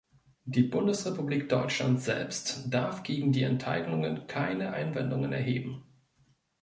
Die Bundesrepublik Deutschland selbst darf gegen die Enteignungen keine Einwendungen erheben.